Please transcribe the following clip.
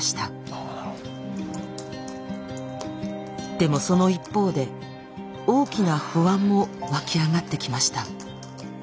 でもその一方で大きな不安も湧き上がってきました。